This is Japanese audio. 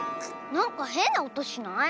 なんかへんなおとしない？